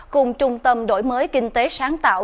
cùng trung tâm đổi mới kinh tế sáng tạo